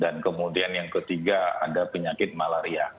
dan kemudian yang ketiga ada penyakit malaria